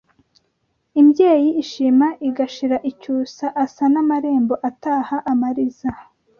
Imbyeyi ishima igashira icyusa Asa n’amarembo ataha amariza